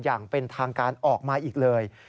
อย่างเป็นทางการออกมาอีกเลย